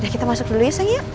kita masuk dulu ya sayang